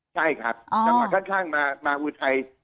ใช่ครับจังหวะข้างมาอุทัย